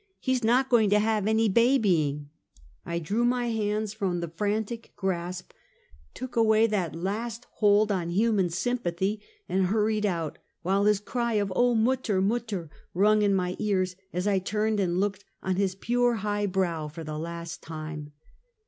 He's not going to have any babyin' !" I drew my hands from the frantic grasp, took away that last hold on human sympathy, and hurried o ut, while his cry of " Oh, mutter! mutter!" rung in my ears as I turned and looked on his pure high brow for the last time